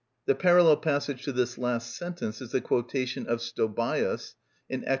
_" The parallel passage to this last sentence is the quotation of Stobæus (_Ecl.